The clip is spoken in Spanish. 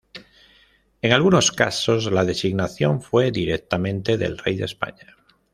En algunos casos la designación fue directamente del rey de España.